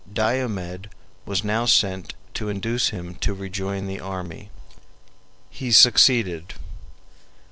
Diomed was now sent to induce him to rejoin the army. He sukcceeded.